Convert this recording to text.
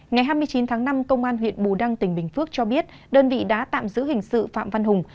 ngày hai mươi chín tháng năm công an huyện bù đăng tỉnh bình phước cho biết đơn vị đã tạm giữ hình sự phạm văn hùng